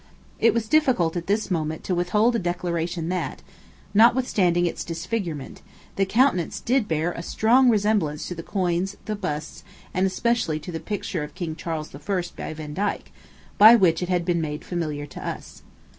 It was difficult at this moment to withhold a declaration, that, notwithstanding its disfigurement, the countenance did bear a strong resemblance to the coins, the busts, and especially to the picture of King Charles I. by Vandyke, by which it had been made familiar to us.